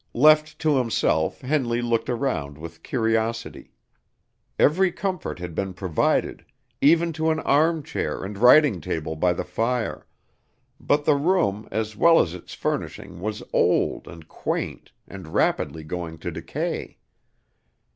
Left to himself, Henley looked around with curiosity. Every comfort had been provided, even to an arm chair and writing table by the fire; but the room, as well as its furnishing, was old and quaint, and rapidly going to decay.